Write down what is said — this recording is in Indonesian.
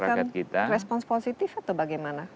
tidak mendapatkan respons positif atau bagaimana